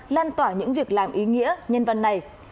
lan tỏa những việc làm ý nghĩa nhân văn này